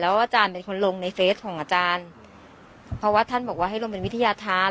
อาจารย์เป็นคนลงในเฟสของอาจารย์เพราะว่าท่านบอกว่าให้ลงเป็นวิทยาธาร